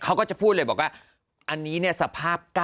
เขาก็จะพูดเลยบอกว่าอันนี้เนี่ยสภาพ๙